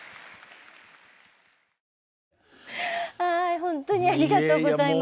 ほんとにありがとうございます。